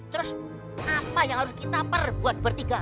terus apa yang harus kita perbuat bertiga